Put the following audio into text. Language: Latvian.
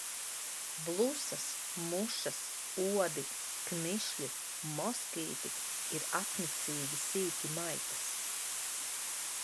Blusas, mušas, odi, knišļi, moskīti ir apnicīgi sīki maitas.